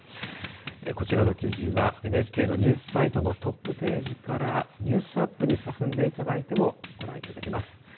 こちらの記事はＮＨＫのニュースサイトのトップページからニュースアップに進んでいただいてもご覧いただけます。